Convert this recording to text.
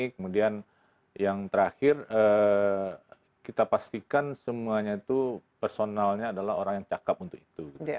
kemudian yang terakhir kita pastikan semuanya itu personalnya adalah orang yang cakep untuk itu